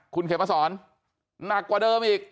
คุณเขมสอนหนักกว่าเดิมอีก